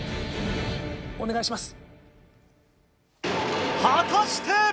お願いします。